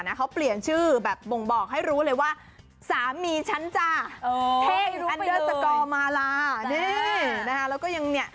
นี่นะคะแล้วก็ยังเนี่ย